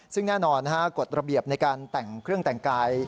ซึ่งแน่นอนกฎระเบียบในการแต่งเครื่องแต่งกาย